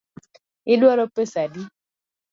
Iduaro pesa adi?